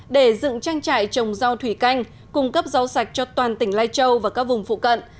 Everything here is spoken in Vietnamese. để dựng trang trại trồng rau thủy canh cung cấp rau sạch cho toàn tỉnh lai châu và các vùng phụ cận